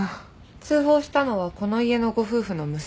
通報したのはこの家のご夫婦の娘さんです。